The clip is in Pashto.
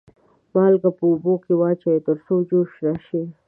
مالګه په اوبو کې واچوئ تر څو جوش راشي.